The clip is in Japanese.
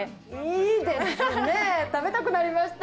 いいですね。